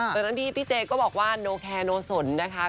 ตอนนั้นพี่เจก็บอกว่าโนแคโนสนนะคะ